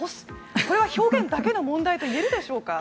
これは表現だけの問題といえるでしょうか？